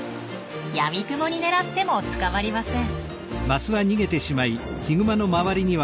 闇雲に狙っても捕まりません。